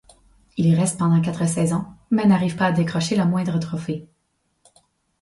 Il y reste pendant quatre saisons mais n'arrive pas à décrocher le moindre trophée.